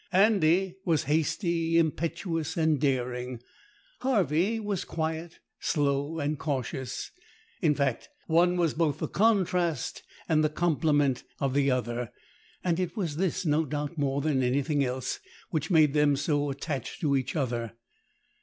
Andy was hasty, impetuous, and daring; Harvey was quiet, slow, and cautious. In fact, one was both the contrast and the complement of the other, and it was this, no doubt, more than anything else, which made them so attached to each other.